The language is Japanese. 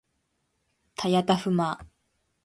たやたふま